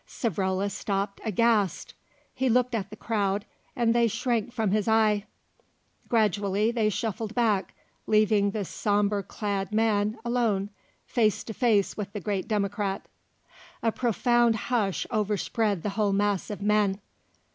Savrola stopped aghast. He looked at the crowd, and they shrank from his eye; gradually they shuffled back, leaving the sombre clad man alone face to face with the great Democrat. A profound hush overspread the whole mass of men.